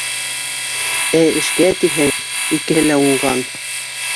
Ә эшкә тиһәң, икеһе лә уңған